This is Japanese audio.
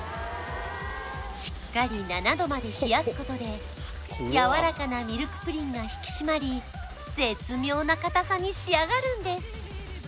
しっかり７度まで冷やすことでやわらかなミルクプリンが引き締まり絶妙なかたさに仕上がるんです